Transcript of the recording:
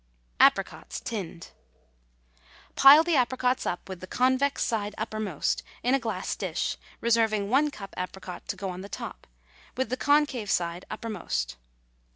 APRICOTS, TINNED. Pile the apricots up, with the convex side uppermost, in a glass dish, reserving one cup apricot to go on the top, with the concave side uppermost.